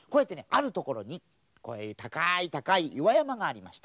あるところにこういうたかいたかいいわやまがありました。